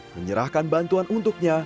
menyerahkan bantuan untuknya